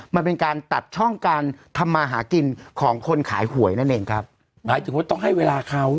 มันเป็นการตัดช่องการทำมาหากินของคนขายหวยนั่นเองครับหมายถึงว่าต้องให้เวลาเขา